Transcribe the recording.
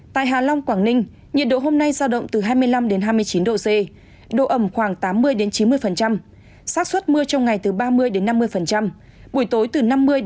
tại hà long quảng ninh nhiệt độ hôm nay giao động từ hai mươi năm hai mươi chín độ c độ ẩm khoảng tám mươi chín mươi sát xuất mưa trong ngày từ ba mươi năm mươi buổi tối từ năm mươi